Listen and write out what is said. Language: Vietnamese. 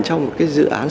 trong một cái dự án